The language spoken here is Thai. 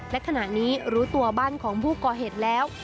และขณะนี้รู้ตัวบ้านของผู้ก่อเหตุแล้ว